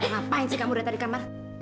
ngapain sih kamu datang di kamar